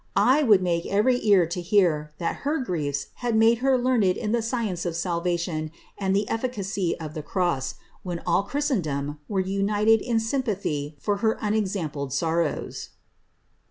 I would make every ear to hear that her griefs bad made her learned in the science of salvation and the efficacy of the cross, when all Christendom were united in sympathy for her unexampled sorrows."